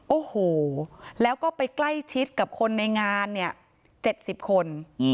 โอ้โหแล้วก็ไปใกล้ชิดกับคนในงานเนี่ย๗๐คน